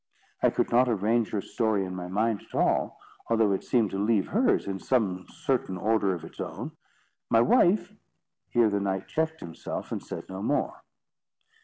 I could not arrange her story in my mind at all, although it seemed to leave hers in some certain order of its own. My wife— " Here the knight checked himself, and said no more.